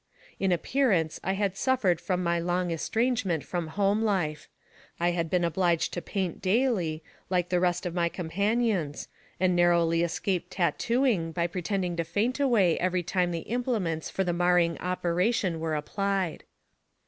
In appearance I had suffered from my long estrange ment from home life. I had been obliged to paint daily, like the rest of my companions, and narrowly escaped tattooing, by pretending to faint away every time the implements for the marring operation were applied.